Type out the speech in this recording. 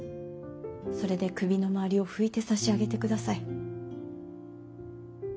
それで首の周りを拭いてさしあげてください。